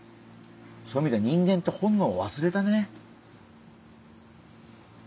そういう意味では人間って本能を忘れたね。